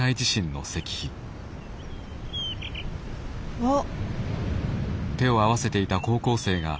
あっ。